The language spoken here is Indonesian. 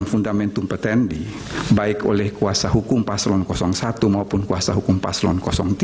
fundamentum petendi baik oleh kuasa hukum paslon satu maupun kuasa hukum paslon tiga